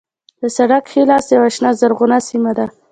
د سړک ښی لاس یوه شنه زرغونه سیمه ده.